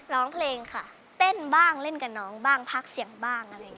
ร้องเพลงค่ะเต้นบ้างเล่นกับน้องบ้างพักเสียงบ้างอะไรอย่างนี้